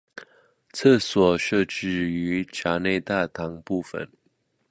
厕所设置于闸内大堂部分。